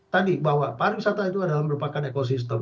tadi bahwa pariwisata itu adalah merupakan ekosistem